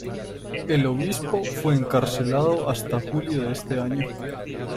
El obispo fue encarcelado hasta julio de ese año.